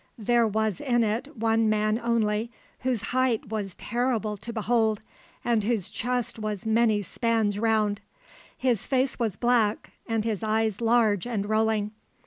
There was in it one man only, whose height was terrible to behold, and whose chest was many spans round. His face was black and his eyes large and rolling.